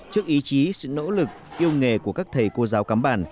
trước ý chí sự nỗ lực yêu nghề của các thầy cô giáo cắm bản